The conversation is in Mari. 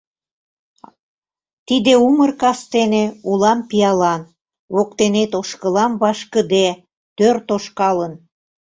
Тиде умыр кастене улам пиалан: Воктенет ошкылам вашкыде, тӧр тошкалын.